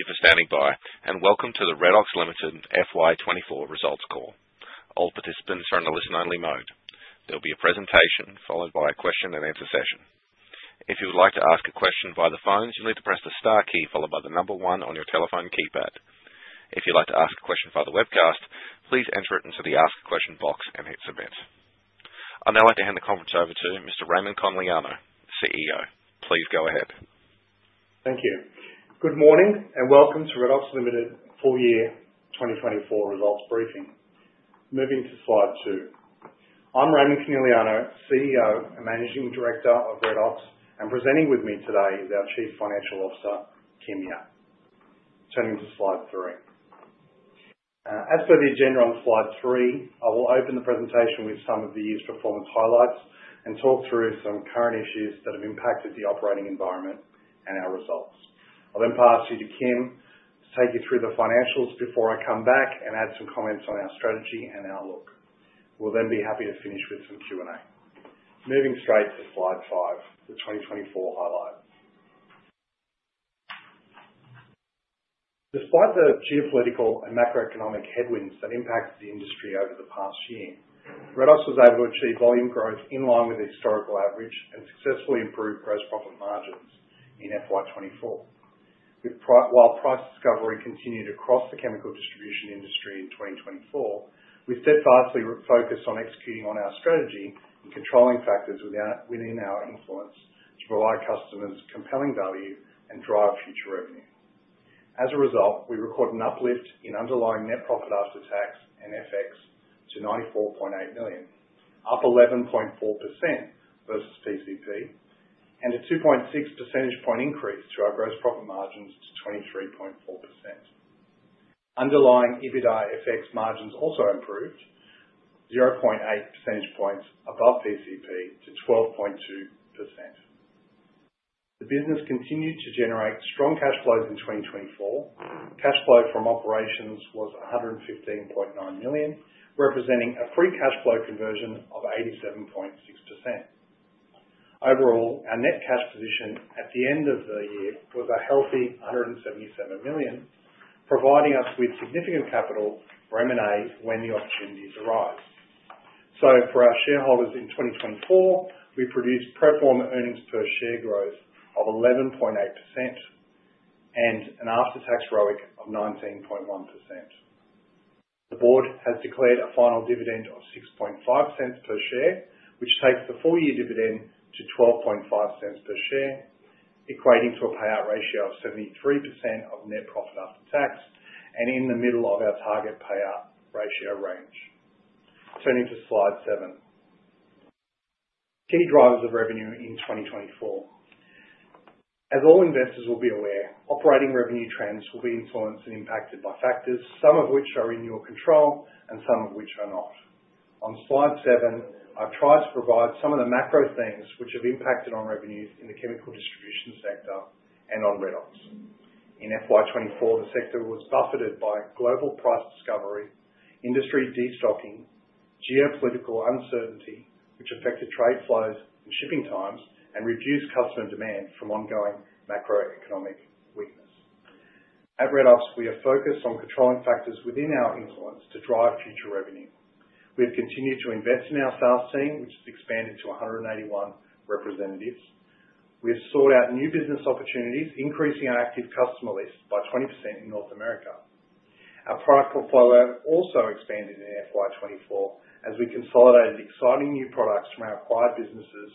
Thank you for standing by, and welcome to the Redox Limited FY 2024 results call. All participants are in a listen-only mode. There will be a presentation, followed by a question-and-answer session. If you would like to ask a question by the phones, you'll need to press the star key followed by the number one on your telephone keypad. If you'd like to ask a question via the webcast, please enter it into the ask a question box and hit Submit. I'd now like to hand the conference over to Mr. Raimond Coneliano, CEO. Please go ahead. Thank you. Good morning, and welcome to Redox Limited full year 2024 results briefing. Moving to slide two. I'm Raimond Coneliano, CEO and Managing Director of Redox, and presenting with me today is our Chief Financial Officer, Kian Yap. Turning to slide three. As per the agenda on slide three, I will open the presentation with some of the year's performance highlights and talk through some current issues that have impacted the operating environment and our results. I'll then pass you to Kian to take you through the financials before I come back and add some comments on our strategy and outlook. We'll then be happy to finish with some Q&A. Moving straight to slide five, the twenty-twenty-four highlights. Despite the geopolitical and macroeconomic headwinds that impacted the industry over the past year, Redox was able to achieve volume growth in line with the historical average and successfully improved gross profit margins in FY 2024. While price discovery continued across the chemical distribution industry in 2024, we stayed vastly refocused on executing on our strategy and controlling factors within our influence to provide customers compelling value and drive future revenue. As a result, we recorded an uplift in underlying net profit after tax and FX to 94.8 million, up 11.4% versus PCP, and a 2.6 percentage point increase to our gross profit margins to 23.4%. Underlying EBITDA FX margins also improved 0.8 percentage points above PCP to 12.2%. The business continued to generate strong cash flows in 2024. Cash flow from operations was 115.9 million, representing a free cash flow conversion of 87.6%. Overall, our net cash position at the end of the year was a healthy 177 million, providing us with significant capital for M&A when the opportunities arise. So for our shareholders in 2024, we produced pro forma earnings per share growth of 11.8% and an after-tax ROIC of 19.1%. The board has declared a final dividend of 0.065 per share, which takes the full year dividend to 0.125 per share, equating to a payout ratio of 73% of net profit after tax and in the middle of our target payout ratio range. Turning to slide seven, key drivers of revenue in 2024. As all investors will be aware, operating revenue trends will be influenced and impacted by factors, some of which are in your control and some of which are not. On slide 7, I've tried to provide some of the macro themes which have impacted our revenues in the chemical distribution sector and on Redox. In FY24, the sector was buffeted by global price discovery, industry destocking, geopolitical uncertainty, which affected trade flows and shipping times, and reduced customer demand from ongoing macroeconomic weakness. At Redox, we are focused on controlling factors within our influence to drive future revenue. We've continued to invest in our sales team, which has expanded to 181 representatives. We've sought out new business opportunities, increasing our active customer list by 20% in North America. Our product portfolio also expanded in FY24 as we consolidated exciting new products from our acquired businesses,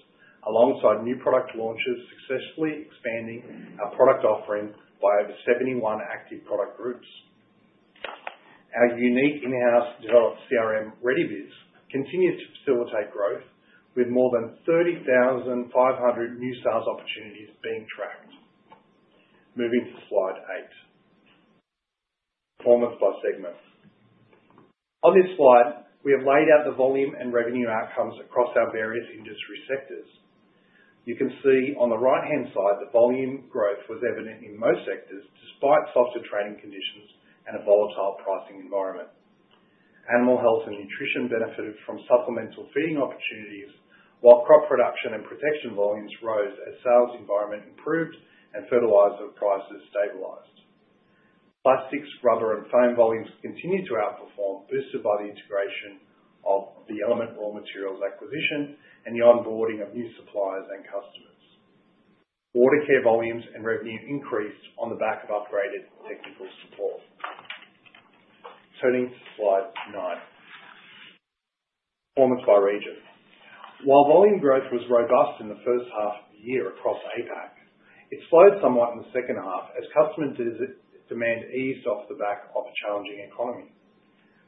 alongside new product launches, successfully expanding our product offering by over 71 active product groups. Our unique in-house developed CRM, RediBiz, continues to facilitate growth with more than 30,500 new sales opportunities being tracked. Moving to slide 8, performance by segment. On this slide, we have laid out the volume and revenue outcomes across our various industry sectors. You can see on the right-hand side, the volume growth was evident in most sectors, despite softer trading conditions and a volatile pricing environment. Animal health and nutrition benefited from supplemental feeding opportunities, while crop production and protection volumes rose as sales environment improved and fertilizer prices stabilized. Plastics, rubber, and foam volumes continued to outperform, boosted by the integration of the Element Raw Materials acquisition and the onboarding of new suppliers and customers. Water care volumes and revenue increased on the back of upgraded technical support. Turning to slide nine. Performance by region. While volume growth was robust in the first half of the year across APAC, it slowed somewhat in the second half as customer demand eased off the back of a challenging economy.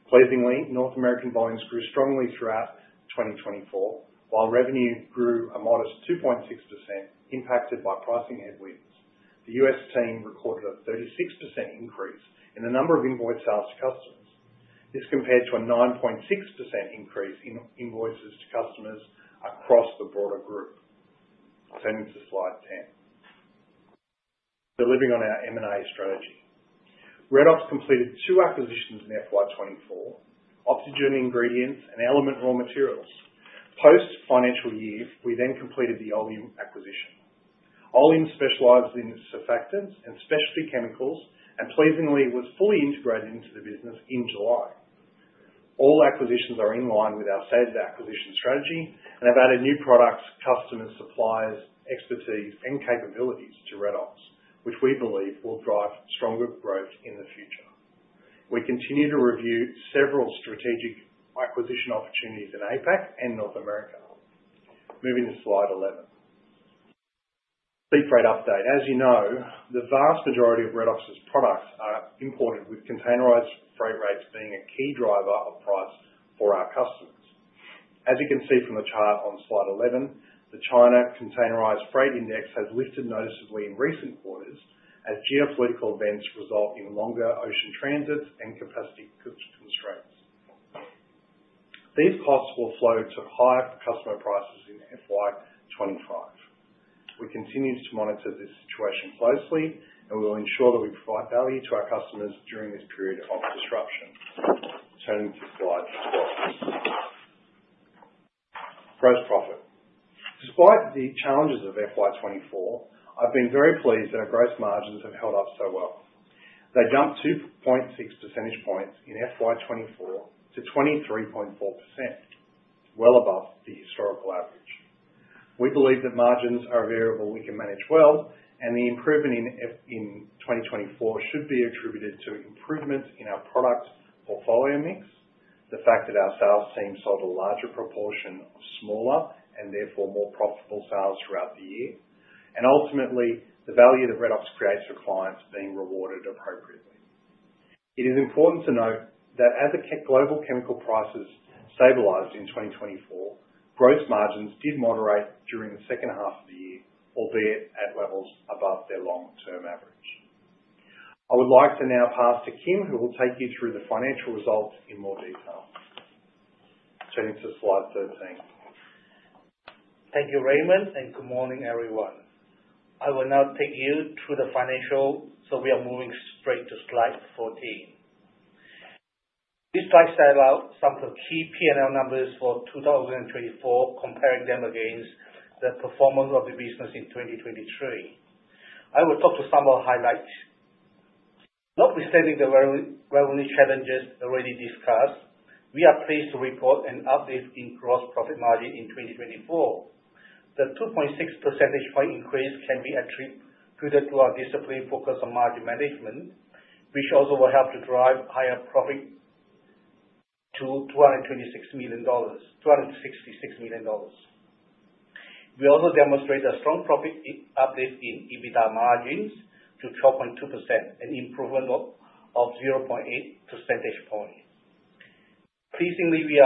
Pleasingly, North American volumes grew strongly throughout 2024, while revenue grew a modest 2.6%, impacted by pricing headwinds. The US team recorded a 36% increase in the number of invoice sales to customers. This compared to a 9.6% increase in invoices to customers across the broader group. Turning to slide ten. Delivering on our M&A strategy. Redox completed two acquisitions in FY 24, Oxygen Ingredients and Element Raw Materials. Post-financial year, we then completed the Oleum acquisition. Oleum specializes in surfactants and specialty chemicals and pleasingly was fully integrated into the business in July. All acquisitions are in line with our stated acquisition strategy and have added new products, customers, suppliers, expertise, and capabilities to Redox, which we believe will drive stronger growth in the future. We continue to review several strategic acquisition opportunities in APAC and North America. Moving to Slide 11. Sea freight update. As you know, the vast majority of Redox's products are imported, with containerized freight rates being a key driver of price for our customers. As you can see from the chart on slide 11, the China Containerized Freight Index has lifted noticeably in recent quarters as geopolitical events result in longer ocean transits and capacity constraints. These costs will flow to higher customer prices in FY twenty-four. We continue to monitor this situation closely, and we will ensure that we provide value to our customers during this period of disruption. Turning to Slide 12. Gross profit. Despite the challenges of FY twenty-four, I've been very pleased that our gross margins have held up so well. They jumped 2.6 percentage points in FY twenty-four to 23.4%, well above the historical average. We believe that margins are a variable we can manage well, and the improvement in 2024 should be attributed to improvements in our product portfolio mix, the fact that our sales team sold a larger proportion of smaller and therefore more profitable sales throughout the year, and ultimately, the value that Redox creates for clients being rewarded appropriately. It is important to note that as the global chemical prices stabilized in 2024, gross margins did moderate during the second half of the year, albeit at levels above their long-term average. I would like to now pass to Kian, who will take you through the financial results in more detail. Turning to Slide 13. Thank you, Raimond, and good morning, everyone. I will now take you through the financials, so we are moving straight to Slide 14. This slide sets out some of the key P&L numbers for two thousand and twenty-four, comparing them against the performance of the business in twenty twenty-three. I will talk to some of the highlights. Notwithstanding the revenue challenges already discussed, we are pleased to report an uplift in gross profit margin in twenty twenty-four. The 2.6 percentage point increase can be attributed to our disciplined focus on margin management, which also will help to drive higher profit to 226 million dollars, 266 million dollars. We also demonstrate a strong profit uplift in EBITDA margins to 12.2%, an improvement of zero point eight percentage point. Pleasingly, we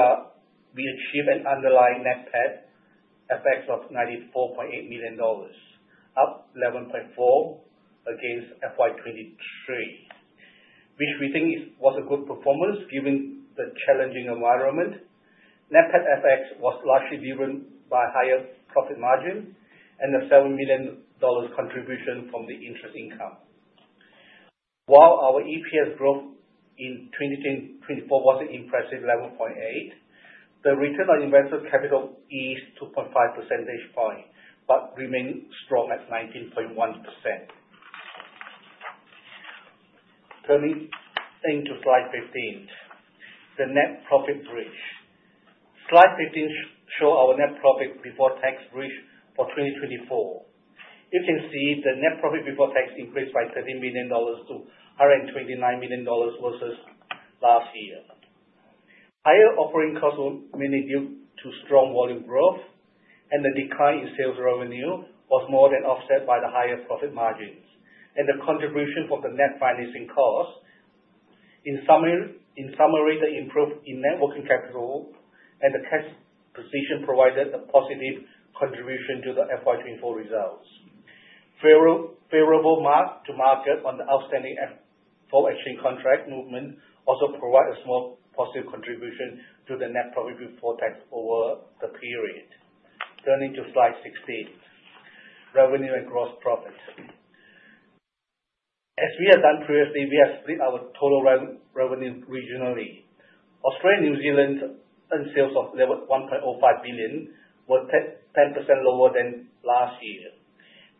achieved an underlying net PAT of 94.8 million dollars, up 11.4 against FY 2023, which we think is, was a good performance given the challenging environment. Net PAT was largely driven by higher profit margins and the 7 million dollars contribution from the interest income. While our EPS growth in 2024 was an impressive 11.8, the return on invested capital eased 2.5 percentage points, but remained strong at 19.1%. Turning to Slide 15, the net profit bridge. Slide 15 shows our net profit before tax bridge for 2024. You can see the net profit before tax increased by 13 million dollars to 129 million dollars versus last year. Higher operating costs were mainly due to strong volume growth, and the decline in sales revenue was more than offset by the higher profit margins and the contribution from the net financing cost. In summary, the improvement in net working capital and the cash position provided a positive contribution to the FY twenty-four results. Favorable mark to market on the outstanding FX forward exchange contract movement also provided a small positive contribution to the net profit before tax over the period. Turning to Slide 16, Revenue and Gross Profit. As we have done previously, we have split our total revenue regionally. Australia, New Zealand, and sales of 1.05 billion were 10% lower than last year.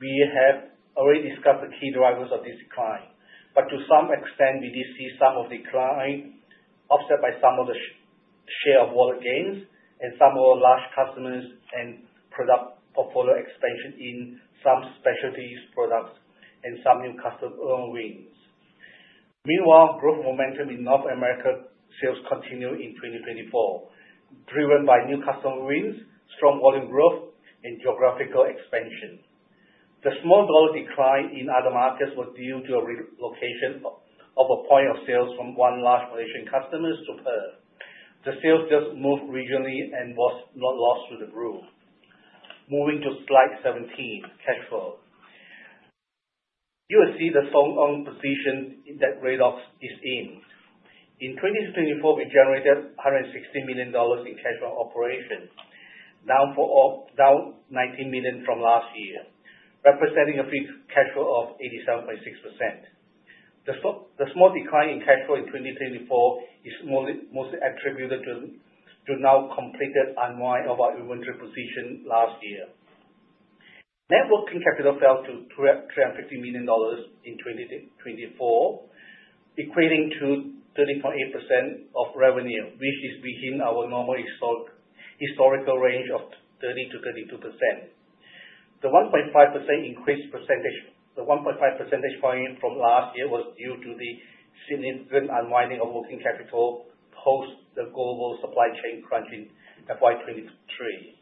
We have already discussed the key drivers of this decline, but to some extent, we did see some of the decline offset by some of the share of wallet gains and some of our large customers and product portfolio expansion in some specialty products and some new customer wins. Meanwhile, growth momentum in North America sales continued in 2024, driven by new customer wins, strong volume growth, and geographical expansion. The small dollar decline in other markets was due to a relocation of a point of sales from one large Malaysian customer to Perth. The sales just moved regionally and was not lost to the group. Moving to Slide 17, Cash Flow. You will see the strong position that Redox is in. In 2024, we generated 160 million dollars in cash flow from operations, down $4.4 million, down 19 million from last year, representing a free cash flow of 87.6%. The small decline in cash flow in 2024 is mostly attributed to the now completed unwind of our inventory position last year. Net working capital fell to 350 million dollars in 2024, equating to 13.8% of revenue, which is within our normal historical range of 30%-32%. The 1.5 percentage point from last year was due to the significant unwinding of working capital post the global supply chain crunch in FY 2023.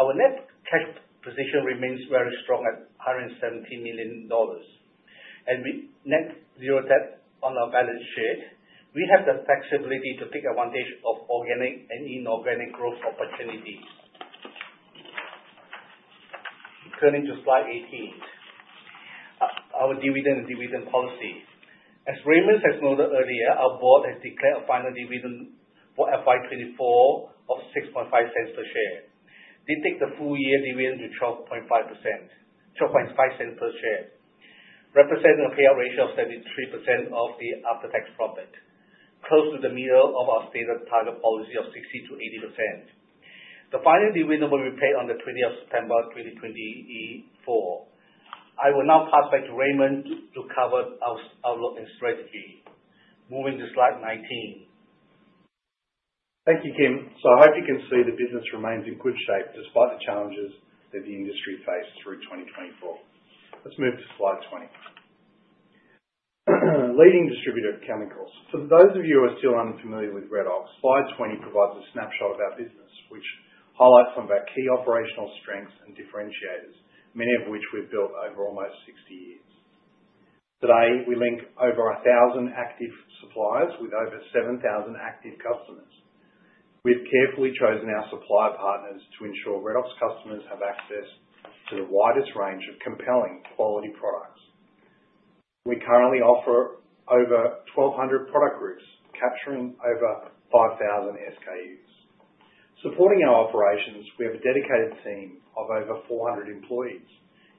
Our net cash position remains very strong at 117 million dollars, and we net zero debt on our balance sheet. We have the flexibility to take advantage of organic and inorganic growth opportunities. Turning to slide 18. Our dividend and dividend policy. As Raymond has noted earlier, our board has declared a final dividend for FY 2024 of 0.065 per share. They take the full year dividend to 12.5%—12.5 cents per share, representing a payout ratio of 73% of the after-tax profit, close to the middle of our stated target policy of 60%-80%. The final dividend will be paid on the twentieth of September 2024. I will now pass back to Raimond to cover our outlook and strategy. Moving to slide 19. Thank you, Kian. So, I hope you can see the business remains in good shape despite the challenges that the industry faced through 2024. Let's move to slide 20. Leading distributor of chemicals. For those of you who are still unfamiliar with Redox, slide 20 provides a snapshot of our business, which highlights some of our key operational strengths and differentiators, many of which we've built over almost 60 years. Today, we link over 1,000 active suppliers with over 7,000 active customers. We've carefully chosen our supplier partners to ensure Redox customers have access to the widest range of compelling quality products. We currently offer over 1,200 product groups, capturing over 5,000 SKUs. Supporting our operations, we have a dedicated team of over 400 employees,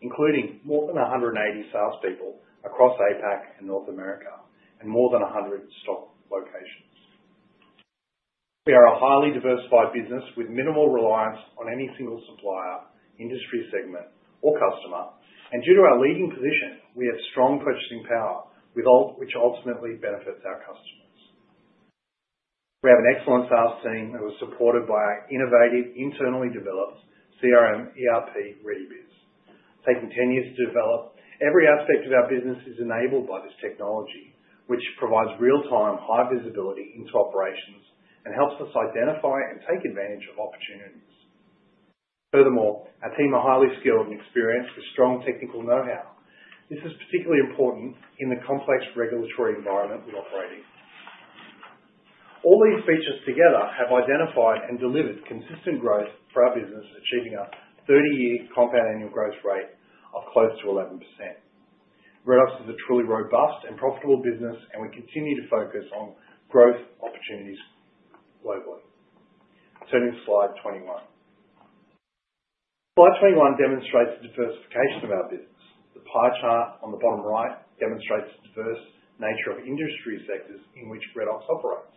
including more than 180 salespeople across APAC and North America, and more than 100 stock locations. We are a highly diversified business with minimal reliance on any single supplier, industry segment, or customer, and due to our leading position, we have strong purchasing power, which ultimately benefits our customers. We have an excellent sales team that was supported by our innovative, internally developed CRM, ERP RediBiz. Taking 10 years to develop, every aspect of our business is enabled by this technology, which provides real-time, high visibility into operations and helps us identify and take advantage of opportunities. Furthermore, our team are highly skilled and experienced with strong technical know-how. This is particularly important in the complex regulatory environment we operate in. All these features together have identified and delivered consistent growth for our business, achieving a thirty-year compound annual growth rate of close to 11%. Redox is a truly robust and profitable business, and we continue to focus on growth opportunities globally. Turning to slide 21. Slide 21 demonstrates the diversification of our business. The pie chart on the bottom right demonstrates the diverse nature of industry sectors in which Redox operates.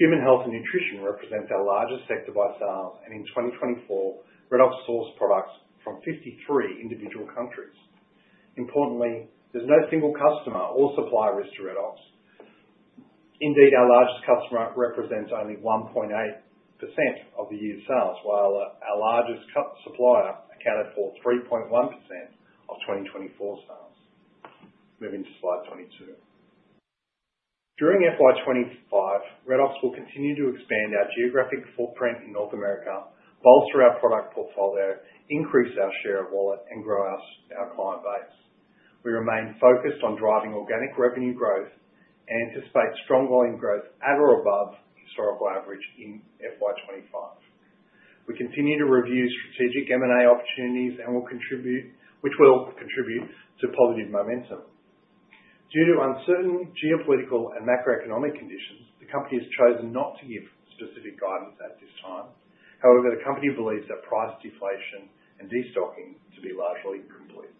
Human health and nutrition represent our largest sector by sales, and in 2024, Redox sourced products from 53 individual countries. Importantly, there's no single customer or supplier risk to Redox. Indeed, our largest customer represents only 1.8% of the year's sales, while our largest supplier accounted for 3.1% of 2024 sales. Moving to slide 22. During FY twenty twenty-five, Redox will continue to expand our geographic footprint in North America, bolster our product portfolio, increase our share of wallet, and grow our client base. We remain focused on driving organic revenue growth and anticipate strong volume growth at or above historical average in FY twenty twenty-five. We continue to review strategic M&A opportunities, which will contribute to positive momentum. Due to uncertain geopolitical and macroeconomic conditions, the company has chosen not to give specific guidance at this time. However, the company believes that price deflation and destocking to be largely complete.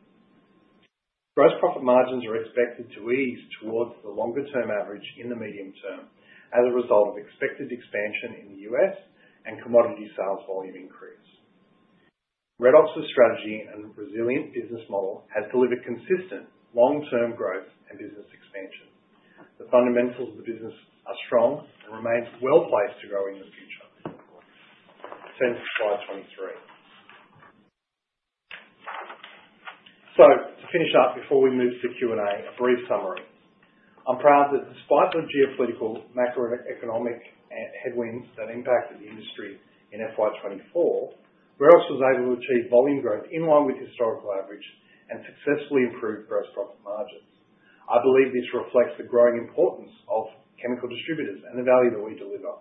Gross profit margins are expected to ease towards the longer-term average in the medium term as a result of expected expansion in the U.S. and commodity sales volume increase. Redox's strategy and resilient business model has delivered consistent long-term growth and business expansion. The fundamentals of the business are strong and remain well placed to grow in the future. Turning to slide 23. So to finish up, before we move to Q&A, a brief summary. I'm proud that despite the geopolitical, macroeconomic, and headwinds that impacted the industry in FY 2024, Redox was able to achieve volume growth in line with historical average and successfully improved gross profit margins. I believe this reflects the growing importance of chemical distributors and the value that we deliver.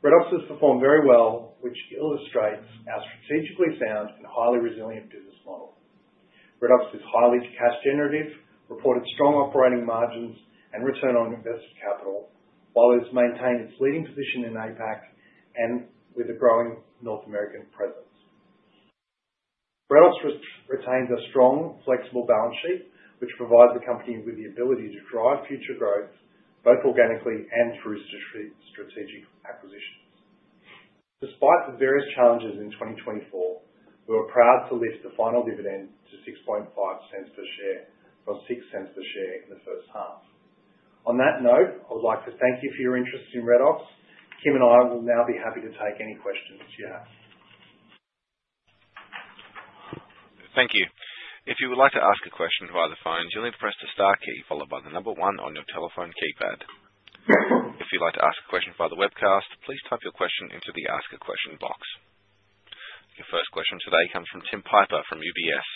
Redox has performed very well, which illustrates our strategically sound and highly resilient business model.... Redox is highly cash generative, reported strong operating margins, and return on invested capital, while it's maintained its leading position in APAC and with a growing North American presence. Redox retains a strong, flexible balance sheet, which provides the company with the ability to drive future growth, both organically and through strategic acquisitions. Despite the various challenges in twenty twenty-four, we were proud to lift the final dividend to 0.065 per share, from 0.06 per share in the first half. On that note, I would like to thank you for your interest in Redox. Kim and I will now be happy to take any questions you have. Thank you. If you would like to ask a question via the phone, you'll need to press the star key followed by the number one on your telephone keypad. If you'd like to ask a question via the webcast, please type your question into the Ask a Question box. Your first question today comes from Tim Piper from UBS.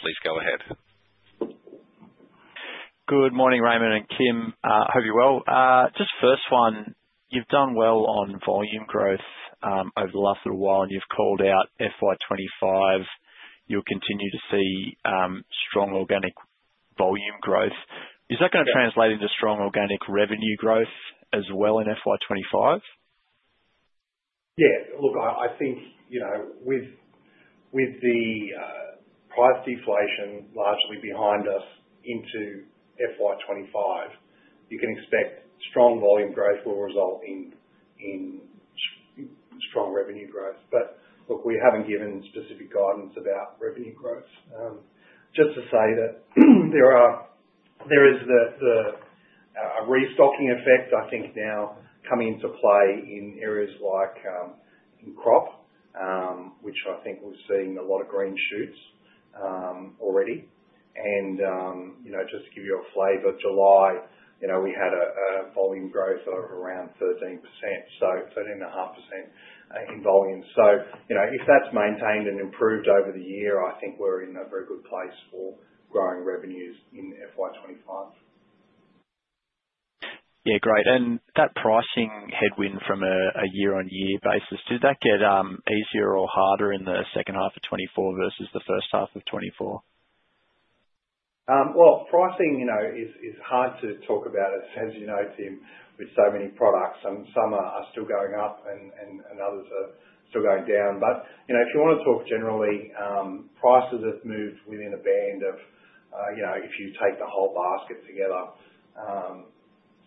Please go ahead. Good morning, Raymond and Kian, hope you're well. Just first one, you've done well on volume growth over the last little while, and you've called out FY 2025. You'll continue to see strong organic volume growth. Yeah. Is that gonna translate into strong organic revenue growth as well in FY 2025? Yeah, look, I think, you know, with the price deflation largely behind us into FY 2025, you can expect strong volume growth will result in strong revenue growth. But look, we haven't given specific guidance about revenue growth. Just to say that there is a restocking effect, I think now coming into play in areas like crop, which I think we're seeing a lot of green shoots already, and you know, just to give you a flavor, July, you know, we had a volume growth of around 13%, so 13.5% in volume. So, you know, if that's maintained and improved over the year, I think we're in a very good place for growing revenues in FY 2025. Yeah, great. And that pricing headwind from a year-on-year basis, did that get easier or harder in the second half of 2024 versus the first half of 2024? Pricing, you know, is hard to talk about as you know, Tim, with so many products, and some are still going up and others are still going down. But, you know, if you wanna talk generally, prices have moved within a band of, you know, if you take the whole basket together,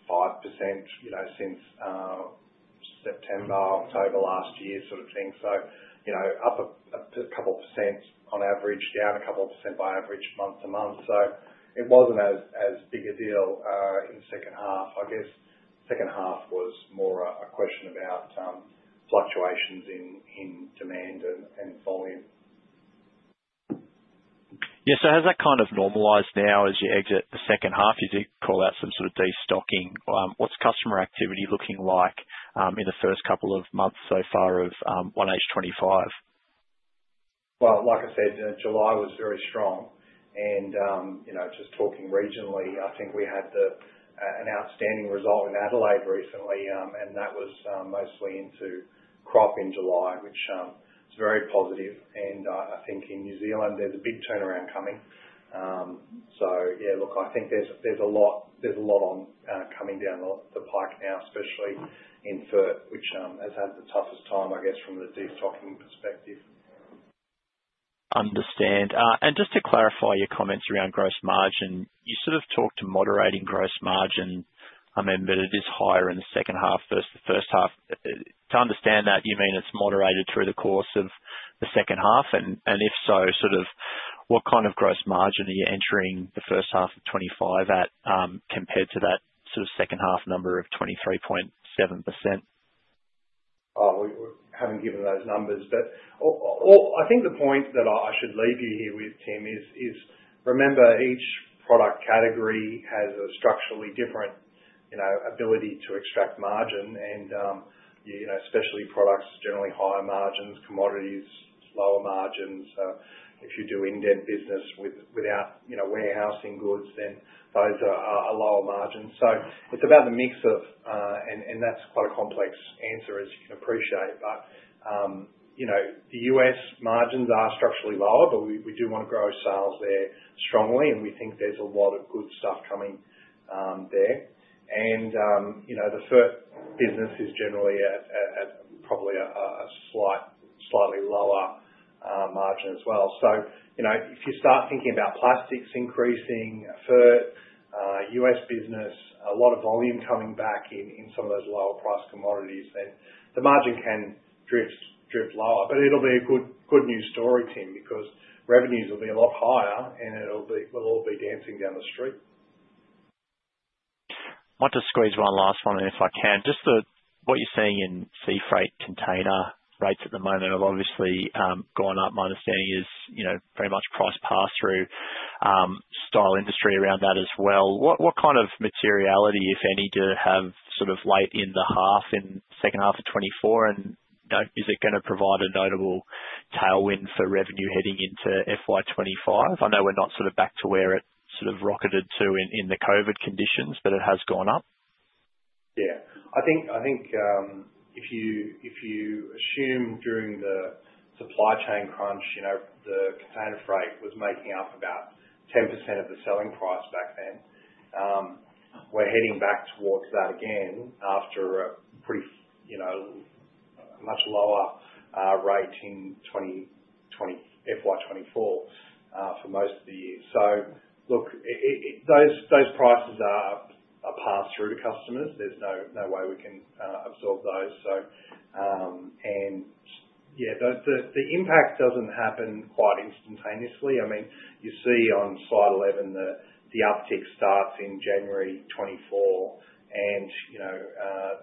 5%, you know, since September, October last year sort of thing. So, you know, up a couple% on average, down a couple% by average month to month. So it wasn't as big a deal in the second half. I guess, second half was more a question about fluctuations in demand and volume. Yeah, so has that kind of normalized now as you exit the second half? You did call out some sort of destocking. What's customer activity looking like in the first couple of months so far of one H twenty-five? Like I said, July was very strong and, you know, just talking regionally, I think we had an outstanding result in Adelaide recently, and that was mostly into crop in July, which is very positive. I think in New Zealand there's a big turnaround coming. Yeah, look, I think there's a lot coming down the pike now, especially in fert, which has had the toughest time, I guess, from a destocking perspective. Understand. And just to clarify your comments around gross margin, you sort of talked to moderating gross margin, I mean, but it is higher in the second half versus the first half. To understand that, you mean it's moderated through the course of the second half? And, and if so, sort of what kind of gross margin are you entering the first half of 2025 at, compared to that sort of second half number of 23.7%? Oh, we haven't given those numbers, but I think the point that I should leave you here with, Tim, is remember, each product category has a structurally different, you know, ability to extract margin and, you know, especially products, generally higher margins, commodities, lower margins. If you do indent business without, you know, warehousing goods, then those are lower margins. So it's about the mix of. And that's quite a complex answer, as you can appreciate. But, you know, the US margins are structurally lower, but we do want to grow sales there strongly, and we think there's a lot of good stuff coming, there. And, you know, the fert business is generally at probably a slightly lower margin as well. So, you know, if you start thinking about plastics increasing for the US business, a lot of volume coming back in some of those lower priced commodities, then the margin can drift lower. But it'll be a good news story, Tim, because revenues will be a lot higher, and it'll be. We'll all be dancing down the street. I want to squeeze one last one in, if I can. Just what you're seeing in sea freight container rates at the moment have obviously gone up. My understanding is, you know, very much price pass through style industry around that as well. What kind of materiality, if any, do you have sort of late in the half, in the second half of 2024? And, you know, is it gonna provide a notable tailwind for revenue heading into FY 2025? I know we're not sort of back to where it sort of rocketed to in the COVID conditions, but it has gone up.... Yeah, I think, if you assume during the supply chain crunch, you know, the container freight was making up about 10% of the selling price back then, we're heading back towards that again after a pretty, you know, much lower rate in 2020 - FY24 for most of the year. So look, those prices are passed through to customers. There's no way we can absorb those. So, and yeah, the impact doesn't happen quite instantaneously. I mean, you see on slide 11 that the uptick starts in January 2024, and, you know,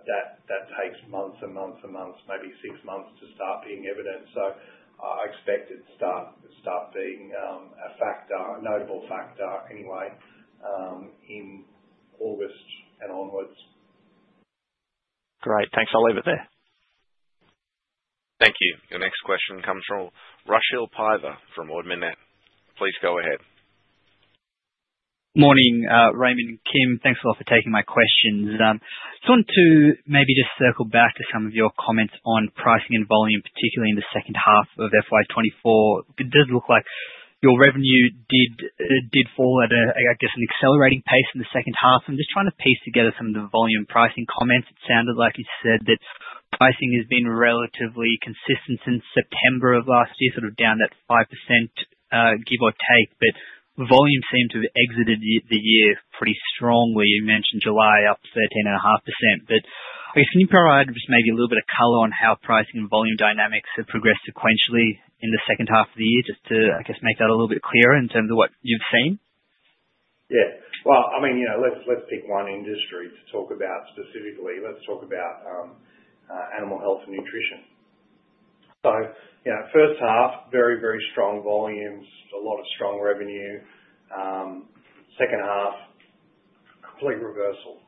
that takes months and months and months, maybe six months to start being evident. So, I expect it to start being a factor, a notable factor anyway, in August and onwards. Great. Thanks. I'll leave it there. Thank you. The next question comes from Rushil Paiva from Ord Minnett. Please go ahead. Morning, Raymond and Kian. Thanks a lot for taking my questions. Just want to maybe just circle back to some of your comments on pricing and volume, particularly in the second half of FY twenty-four. It does look like your revenue did fall at a, I guess, an accelerating pace in the second half. I'm just trying to piece together some of the volume pricing comments. It sounded like you said that pricing has been relatively consistent since September of last year, sort of down that 5%, give or take, but volume seemed to have exited the year pretty strongly. You mentioned July, up 13.5%. Can you provide just maybe a little bit of color on how pricing and volume dynamics have progressed sequentially in the second half of the year, just to, I guess, make that a little bit clearer in terms of what you've seen? Yeah. Well, I mean, you know, let's pick one industry to talk about specifically. Let's talk about animal health and nutrition. So, you know, first half, very, very strong volumes, a lot of strong revenue. Second half, complete reversal,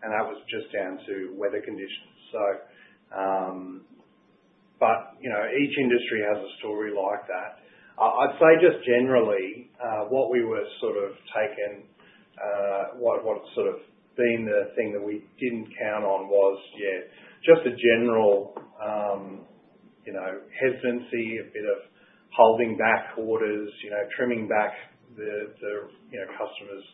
and that was just down to weather conditions. So, but, you know, each industry has a story like that. I'd say just generally, what we were sort of taking, what's sort of been the thing that we didn't count on was, yeah, just a general, you know, hesitancy, a bit of holding back orders, you know, trimming back the, the, you know, customers',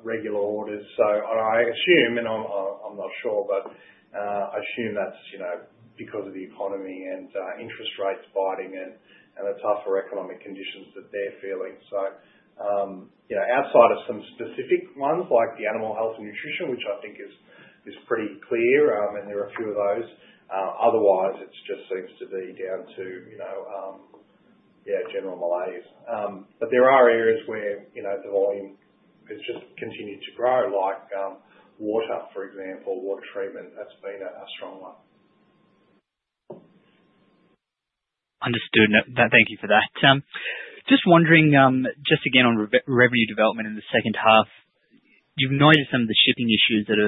regular orders. So I assume, and I'm not sure, but I assume that's, you know, because of the economy and interest rates biting in, and the tougher economic conditions that they're feeling. So, you know, outside of some specific ones, like the animal health and nutrition, which I think is pretty clear, and there are a few of those, otherwise, it just seems to be down to, you know, yeah, general malaise. But there are areas where, you know, the volume has just continued to grow, like, water, for example, water treatment. That's been a strong one. Understood. No, thank you for that. Just wondering, just again, on revenue development in the second half, you've noted some of the shipping issues that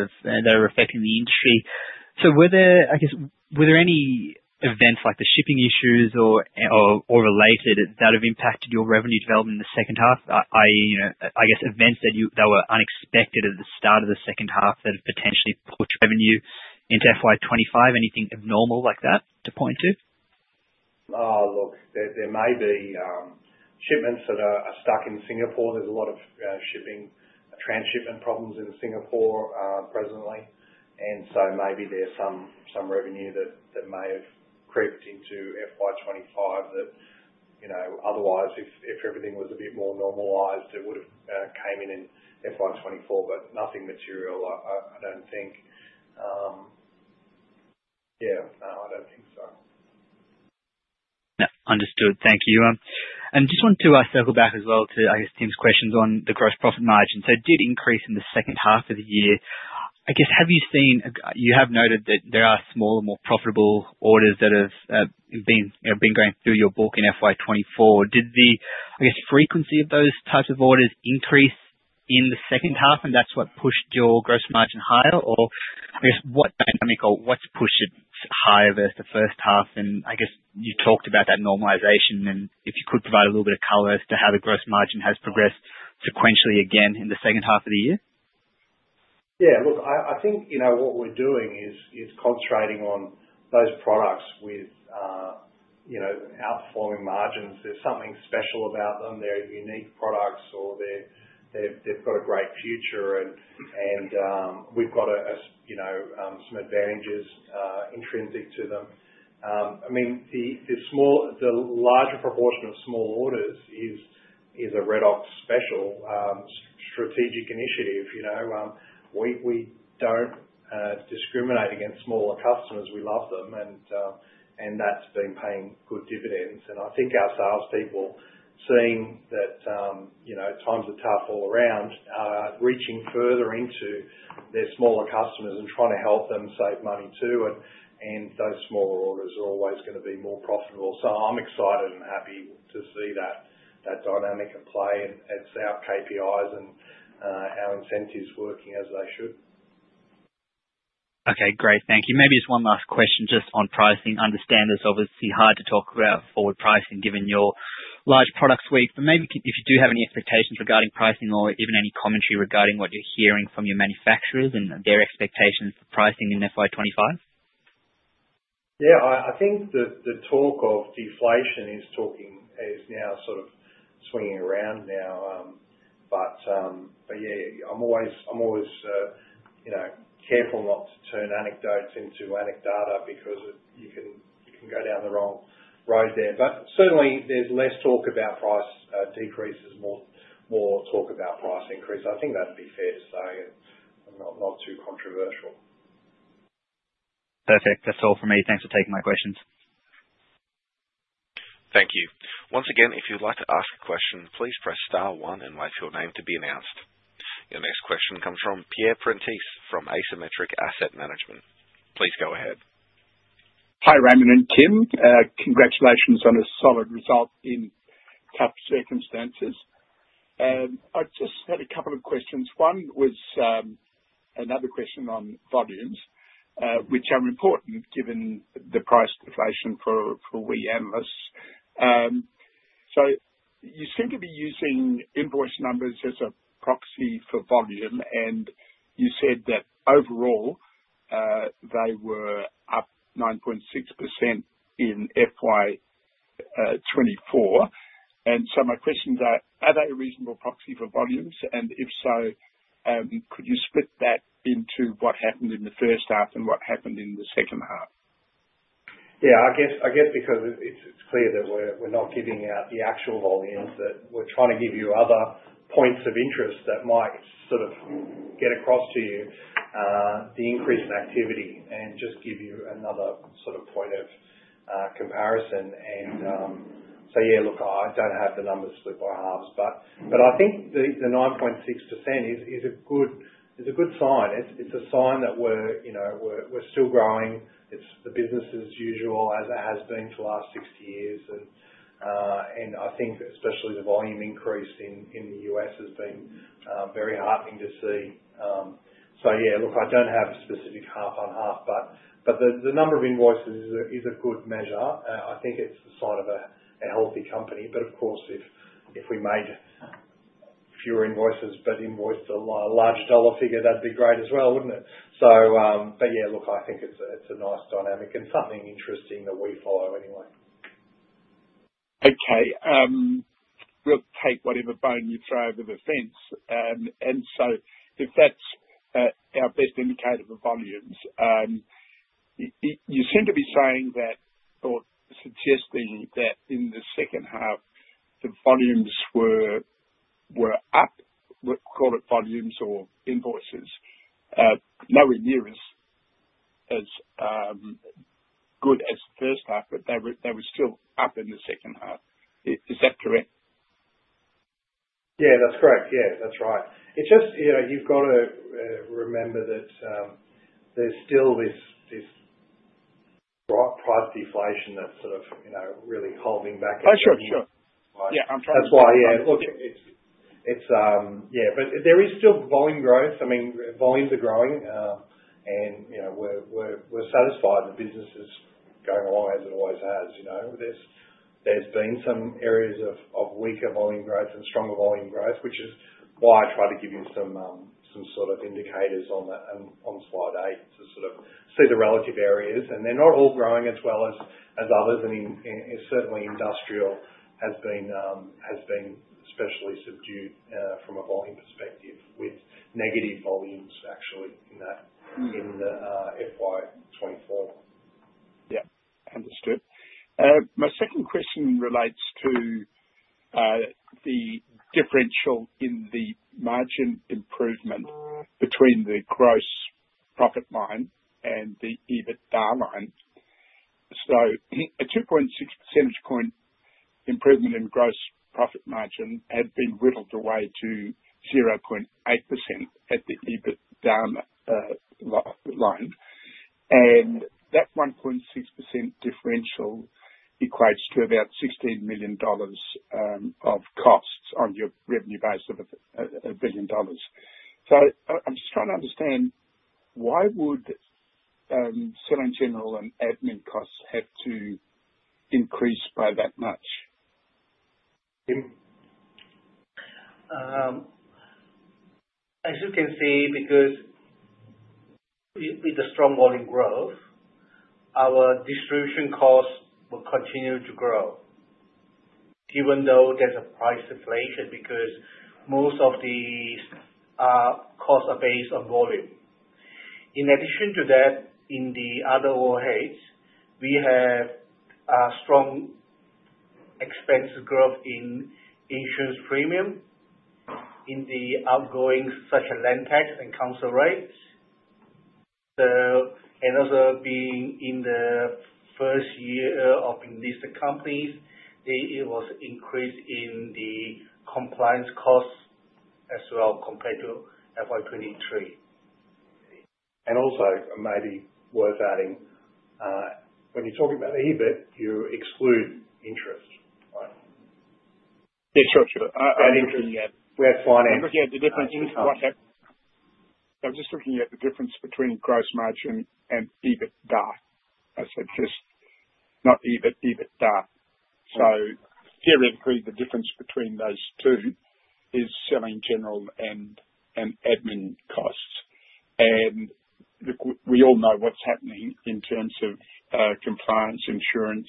are affecting the industry. So were there, I guess, were there any events like the shipping issues or related that have impacted your revenue development in the second half? You know, I guess events that were unexpected at the start of the second half, that have potentially pushed revenue into FY twenty-five. Anything abnormal like that to point to? Oh, look, there may be shipments that are stuck in Singapore. There's a lot of shipping transshipment problems in Singapore presently, and so maybe there's some revenue that may have crept into FY twenty-five, that you know, otherwise, if everything was a bit more normalized, it would've came in in FY twenty-four, but nothing material, I don't think. Yeah, no, I don't think so. Yeah. Understood. Thank you. And just want to circle back as well to, I guess, Tim's questions on the gross profit margin. So it did increase in the second half of the year. I guess, have you seen you have noted that there are smaller, more profitable orders that have been, you know, going through your book in FY 2024. Did the, I guess, frequency of those types of orders increases in the second half, and that's what pushed your gross margin higher? Or I guess, what dynamic or what's pushed it higher versus the first half? And I guess you talked about that normalization, and if you could provide a little bit of color as to how the gross margin has progressed sequentially again in the second half of the year. Yeah, look, I think, you know, what we're doing is concentrating on those products with, you know, outperforming margins. There's something special about them. They're unique products or they've got a great future and we've got some advantages, you know, intrinsic to them. I mean, the larger proportion of small orders is a Redox special strategic initiative, you know. We don't discriminate against smaller customers. We love them, and that's been paying good dividends. I think our salespeople, seeing that, you know, times are tough all around, are reaching further into their smaller customers and trying to help them save money, too, and those smaller orders are always gonna be more profitable. So I'm excited and happy to see that dynamic at play, and see our KPIs and our incentives working as they should.... Okay, great. Thank you. Maybe just one last question just on pricing. I understand it's obviously hard to talk about forward pricing given your large product suite, but maybe if you do have any expectations regarding pricing or even any commentary regarding what you're hearing from your manufacturers and their expectations for pricing in FY 2025? Yeah, I think the talk of deflation is now sort of swinging around now. Yeah, I'm always, you know, careful not to turn anecdotes into anecdata because you can go down the wrong road there, but certainly there's less talk about price decreases, more talk about price increase. I think that'd be fair to say and not too controversial. Perfect. That's all for me. Thanks for taking my questions. Thank you. Once again, if you'd like to ask a question, please press star one and wait for your name to be announced. The next question comes from Pierre Prentis, from Asymmetric Asset Management. Please go ahead. Hi, Raymond and Kian. Congratulations on a solid result in tough circumstances. I just had a couple of questions. One was another question on volumes, which are important given the price deflation for we analysts. So you seem to be using invoice numbers as a proxy for volume, and you said that overall they were up 9.6% in FY 2024. And so my questions are: Are they a reasonable proxy for volumes? And if so, could you split that into what happened in the first half and what happened in the second half? Yeah, I guess, I guess because it's, it's clear that we're, we're not giving out the actual volumes, that we're trying to give you other points of interest that might sort of get across to you, the increase in activity and just give you another sort of point of, comparison. So yeah, look, I don't have the numbers split by halves, but, but I think the, the 9.6% is, is a good, is a good sign. It's, it's a sign that we're, you know, we're, we're still growing. It's the business as usual, as it has been for the last 60 years. And I think especially the volume increase in, in the U.S. has been, very heartening to see. Yeah, look, I don't have a specific half on half, but the number of invoices is a good measure. I think it's the sign of a healthy company. But of course, if we made fewer invoices but invoiced a large dollar figure, that'd be great as well, wouldn't it? But yeah, look, I think it's a nice dynamic and something interesting that we follow anyway. Okay. We'll take whatever bone you throw over the fence. And so if that's our best indicator for volumes, you seem to be saying that or suggesting that in the second half, the volumes were up. We'll call it volumes or invoices, nowhere near as good as the first half, but they were still up in the second half. Is that correct? Yeah, that's correct. Yeah, that's right. It's just, you know, you've got to remember that there's still this price deflation that's sort of, you know, really holding back- Oh, sure, sure. Right? Yeah, I'm trying- That's why, yeah. Look, it's. Yeah, but there is still volume growth. I mean, volumes are growing, and, you know, we're satisfied the business is going along as it always has. You know, there's been some areas of weaker volume growth and stronger volume growth, which is why I try to give you some sort of indicators on slide eight to sort of see the relative areas. And they're not all growing as well as others, and certainly industrial has been especially subdued from a volume perspective, with negative volumes actually in that- -in the, FY 2024. Yeah. Understood. My second question relates to the differential in the margin improvement between the gross profit line and the EBITDA line. So a 2.6 percentage point improvement in gross profit margin had been whittled away to 0.8% at the EBITDA line, and that 1.6% differential equates to about 16 million dollars of costs on your revenue base of 1 billion dollars. So I'm just trying to understand, why would selling, general and admin costs have to increase by that much? Kian? As you can see, because, with the strong volume growth, our distribution costs will continue to grow even though there's a price deflation, because most of the costs are based on volume. In addition to that, in the other overheads, we have a strong expense growth in insurance premium, in the outgoing, such as land tax and council rates. Also, being in the first year of leasing companies, there was increase in the compliance costs as well, compared to FY 2023. Also, it may be worth adding, when you're talking about EBIT, you exclude interest. ... Yeah, sure, sure. We have finance. Yeah, the difference is what happened. I was just looking at the difference between gross margin and EBITDA. I said just not EBIT, EBITDA. So here, increased the difference between those two is selling general and admin costs. And look, we all know what's happening in terms of compliance, insurance,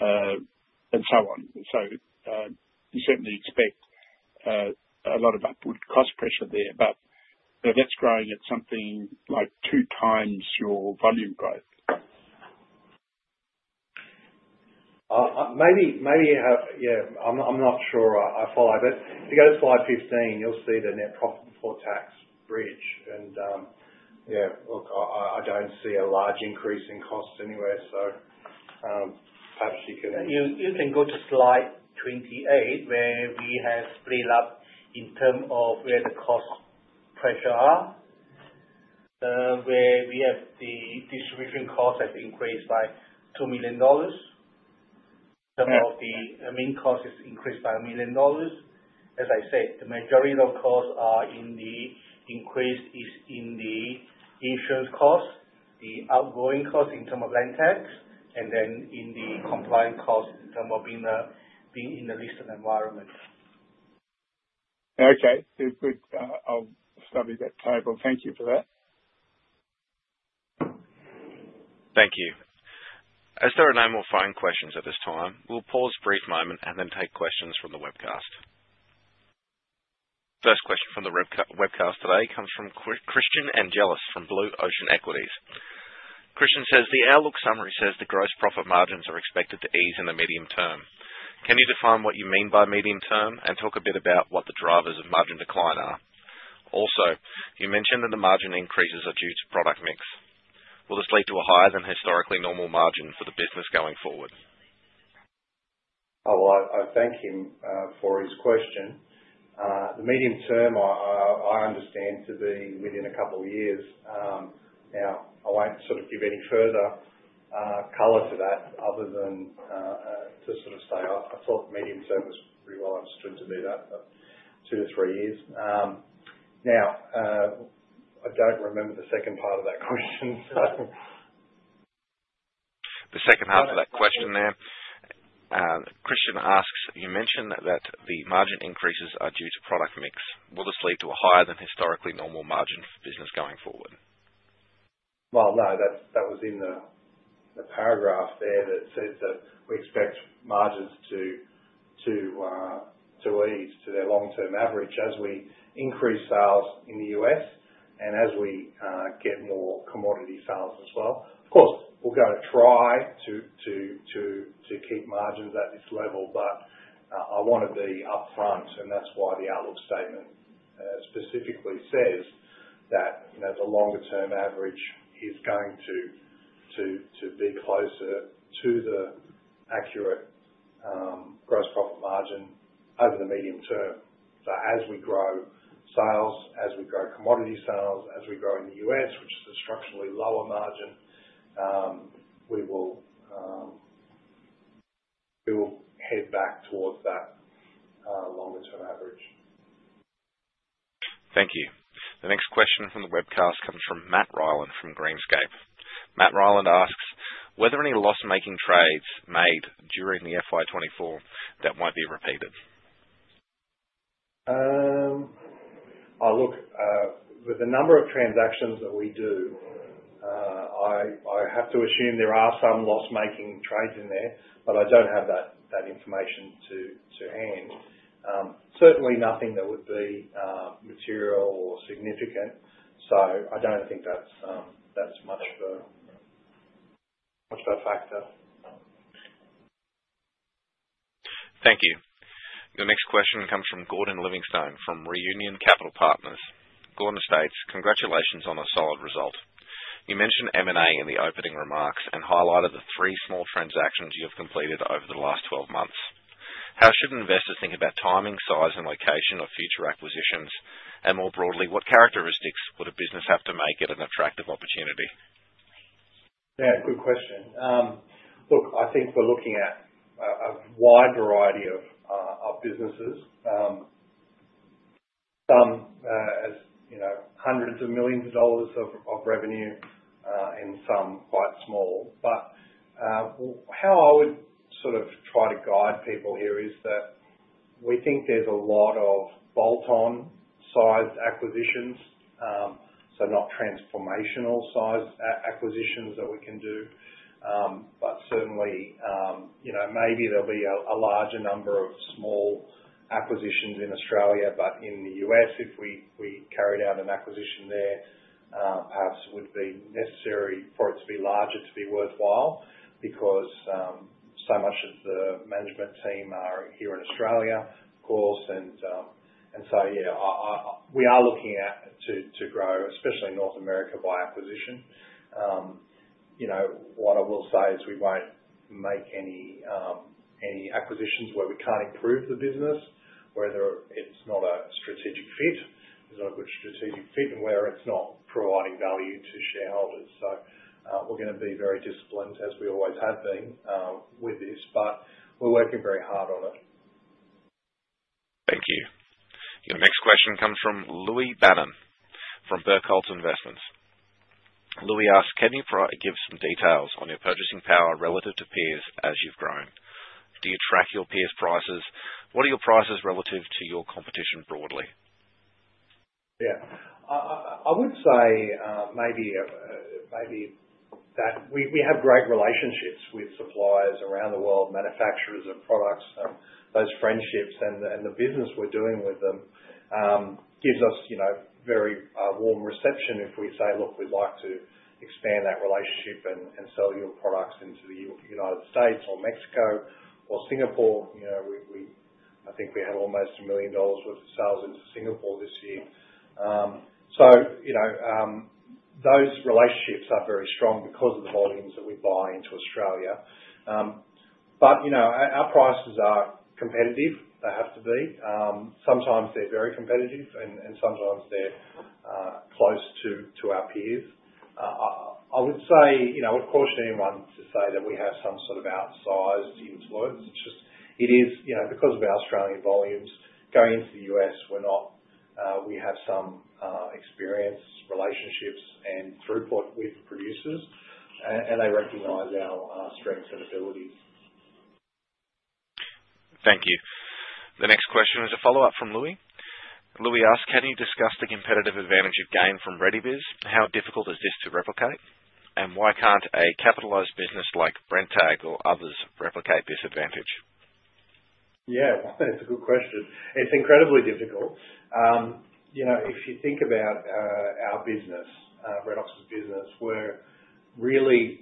and so on. So you certainly expect a lot of upward cost pressure there, but that's growing at something like two times your volume growth. Maybe you have... Yeah, I'm not sure I follow. But if you go to slide 15, you'll see the NPAT bridge, and yeah, look, I don't see a large increase in cost anywhere, so perhaps you can- You can go to slide twenty-eight, where we have split up in terms of where the cost pressure are. Where we have the distribution cost has increased by 2 million dollars. Some of the main costs is increased by 1 million dollars. As I said, the majority of costs are in the increase is in the insurance costs, the outgoing costs in terms of land tax, and then in the compliance costs, in terms of being in the recent environment. Okay, good, good. I'll study that table. Thank you for that. Thank you. As there are no more phone questions at this time, we'll pause a brief moment and then take questions from the webcast. First question from the webcast today comes from Christian Angelis, from Blue Ocean Equities. Christian says, "The outlook summary says the gross profit margins are expected to ease in the medium term. Can you define what you mean by medium term, and talk a bit about what the drivers of margin decline are? Also, you mentioned that the margin increases are due to product mix. Will this lead to a higher than historically normal margin for the business going forward? Oh, well, I, I thank him for his question. The medium term, I, I understand to be within a couple of years. Now, I won't sort of give any further color to that other than to sort of say, I, I thought medium term was pretty well understood to be that two to three years. Now, I don't remember the second part of that question, so... The second part of that question there, Christian asks, "You mentioned that the margin increases are due to product mix. Will this lead to a higher than historically normal margin for business going forward? Well, no, that was in the paragraph there that said that we expect margins to ease to their long-term average as we increase sales in the US, and as we get more commodity sales as well. Of course, we're gonna try to keep margins at this level, but I wanna be upfront, and that's why the outlook statement specifically says that, you know, the longer term average is going to be closer to the accurate gross profit margin over the medium term. So as we grow sales, as we grow commodity sales, as we grow in the US, which is a structurally lower margin, we will head back towards that longer term average. Thank you. The next question from the webcast comes from Matt Ryland from Greencape. Matt Ryland asks, "Were there any loss-making trades made during the FY twenty-four that won't be repeated? Oh, look, with the number of transactions that we do, I have to assume there are some loss-making trades in there, but I don't have that information to hand. Certainly nothing that would be material or significant, so I don't think that's much of a factor. Thank you. The next question comes from Gordon Livingstone, from Reunion Capital Partners. Gordon states, "Congratulations on a solid result. You mentioned M&A in the opening remarks, and highlighted the three small transactions you have completed over the last twelve months. How should investors think about timing, size, and location of future acquisitions? And more broadly, what characteristics would a business have to make it an attractive opportunity? Yeah, good question. Look, I think we're looking at a wide variety of businesses. Some, as you know, hundreds of millions of dollars of revenue, and some quite small. But how I would sort of try to guide people here is that we think there's a lot of bolt-on sized acquisitions. So not transformational size acquisitions that we can do. But certainly, you know, maybe there'll be a larger number of small acquisitions in Australia. But in the U.S., if we carry out an acquisition there, perhaps it would be necessary for it to be larger, to be worthwhile, because so much of the management team are here in Australia, of course. And so, yeah, we are looking at to grow, especially North America, by acquisition. You know, what I will say is we won't make any, any acquisitions where we can't improve the business. Whether it's not a strategic fit, it's not a good strategic fit, and where it's not providing value to shareholders. So, we're gonna be very disciplined, as we always have been, with this, but we're working very hard on it. Thank you. The next question comes from Louis Bannon from Barrenjoey. Louis asks, "Can you provide some details on your purchasing power relative to peers as you've grown? Do you track your peers' prices? What are your prices relative to your competition broadly? Yeah. I would say maybe that we have great relationships with suppliers around the world, manufacturers of products. Those friendships and the business we're doing with them gives us, you know, very warm reception if we say, "Look, we'd like to expand that relationship and sell your products into the United States or Mexico or Singapore." You know, I think we had almost 1 million dollars worth of sales into Singapore this year, so you know, those relationships are very strong because of the volumes that we buy into Australia, but you know, our prices are competitive, they have to be. Sometimes they're very competitive and sometimes they're close to our peers. I would say, you know, I'd caution anyone to say that we have some sort of outsized influence. It's just, it is. You know, because of our Australian volumes, going into the US, we're not. We have some experience, relationships, and throughput with producers, and they recognize our strengths and abilities. Thank you. The next question is a follow-up from Louis. Louis asks, "Can you discuss the competitive advantage gained from RediBiz? How difficult is this to replicate? And why can't a well-capitalized business like Brenntag or others replicate this advantage? Yeah, that's a good question. It's incredibly difficult. You know, if you think about our business, Redox's business, we're really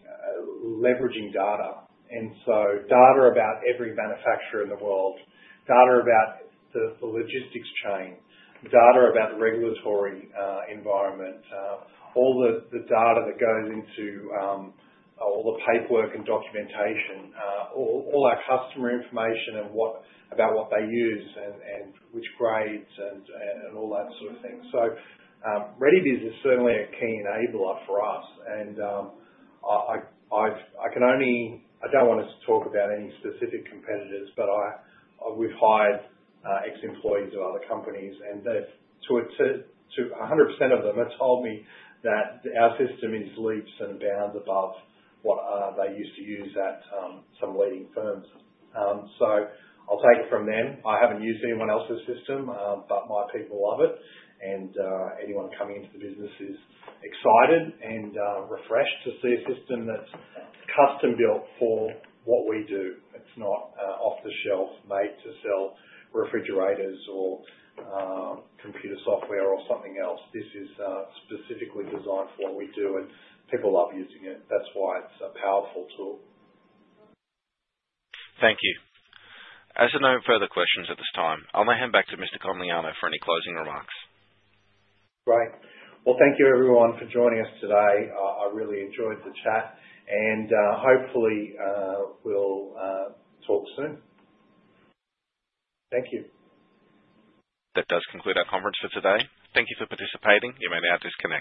leveraging data, and so data about every manufacturer in the world, data about the logistics chain, data about the regulatory environment, all the data that goes into all the paperwork and documentation, all our customer information and what about what they use and all that sort of thing. RediBiz is certainly a key enabler for us, and I can only, I don't want to talk about any specific competitors, but we've hired ex-employees of other companies, and to 100% of them have told me that our system is leaps and bounds above what they used to use at some leading firms. I'll take it from them. I haven't used anyone else's system, but my people love it, and anyone coming into the business is excited and refreshed to see a system that's custom-built for what we do. It's not off-the-shelf, made to sell refrigerators or computer software or something else. This is specifically designed for what we do, and people love using it. That's why it's a powerful tool. Thank you. As there are no further questions at this time, I'll now hand back to Mr. Conliano for any closing remarks. Great. Well, thank you everyone for joining us today. I really enjoyed the chat, and, hopefully, we'll talk soon. Thank you. That does conclude our conference for today. Thank you for participating. You may now disconnect.